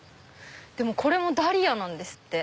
これもダリアなんですって。